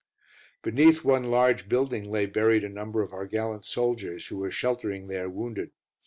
Beneath one large building lay buried a number of our gallant soldiers, who were sheltering there, wounded.